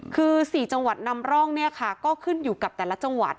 คือ๔จังหวัดนำร่องเนี่ยค่ะก็ขึ้นอยู่กับแต่ละจังหวัด